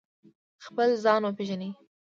خپل ځان وپیژنئ